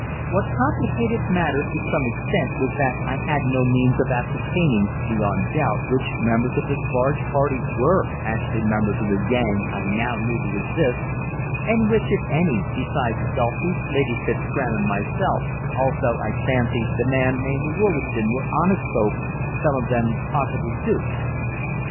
What complicated matters to some extent was that I had no means of ascertaining beyond doubt which members of this large party were actually members of the gang I now knew to exist, and which, if any, besides Dulcie, Lady Fitzgraham, and myself, also, I fancied, the man named Wollaston, were honest folk, some of them possibly dupes.